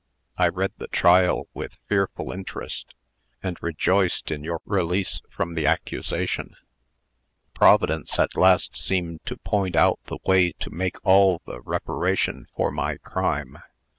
I read the trial with fearful interest, and rejoiced in your release from the accusation. Providence at last seemed to point out the way to make all the reparation for my crime.